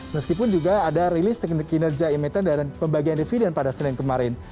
meskipun juga ada rilis kinerja emiten dan pembagian dividen pada senin kemarin